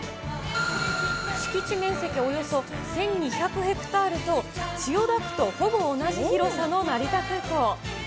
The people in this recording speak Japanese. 敷地面積およそ１２００ヘクタールと、千代田区とほぼ同じ広さの成田空港。